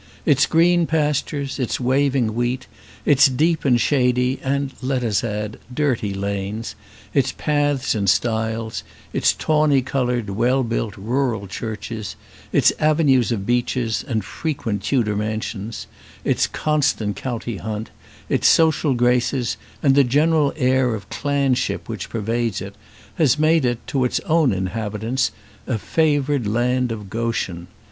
Its green pastures, its waving wheat, its deep and shady and let us add dirty lanes, its paths and stiles, its tawny coloured, well built rural churches, its avenues of beeches, and frequent Tudor mansions, its constant county hunt, its social graces, and the general air of clanship which pervades it, has made it to its own inhabitants a favoured land of Goshen.